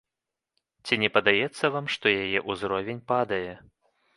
Ці не падаецца вам, што яе ўзровень падае?